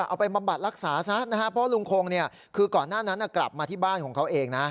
เอาไปบำบัดรักษาซัดเพราะลุงคงก่อนหน้านั้นกลับมาที่บ้านของเขาเอง